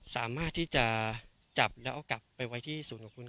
สามารถที่จะจับแล้วกลับไปไว้ที่สูญ